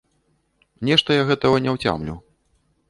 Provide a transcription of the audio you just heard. Нешта я гэтага не ўцямлю.